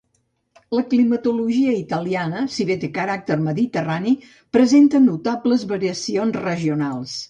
La climatologia italiana, si bé té caràcter mediterrani, presenta notables variacions regionals.